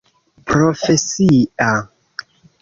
profesia